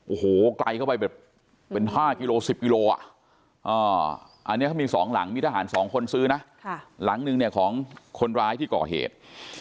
โอ้โหไกลเข้าไปแบบเป็น๕กิโล๑๐กิโลอ่ะอันนี้เขามี๒หลังมีทหาร๒คนซื้อนะหลังนึงเนี่ยของคนร้ายที่ก่อเหตุ